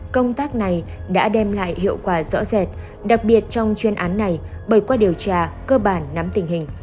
công tác này đã đem lại hiệu quả rõ rệt đặc biệt trong chuyên án này bởi qua điều tra cơ bản nắm tình hình